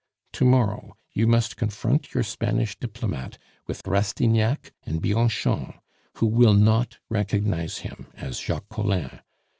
To morrow you must confront your Spanish diplomate with Rastignac and Bianchon, who will not recognize him as Jacques Collin.